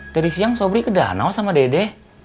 dari siang sobri ke danau sama dede